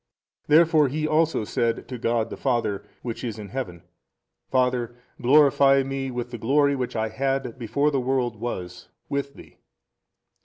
Therefore He also said to God the Father Which is in Heaven, Father glorify Me with the glory which I had before the world was, with Thee.